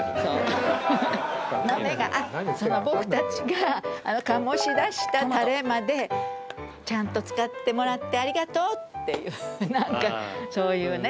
その僕たちが醸し出したタレまでちゃんと使ってもらってありがとうっていうなんかそういうね